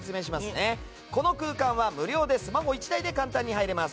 この空間は無料でスマホ１台で簡単に入れます。